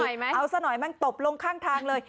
เอาซะหน่อยไหมเอาซะหน่อยมันตบลงข้างทางเลย